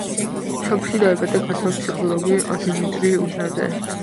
სოფელში დაიბადა ქართველი ფსიქოლოგი დიმიტრი უზნაძე.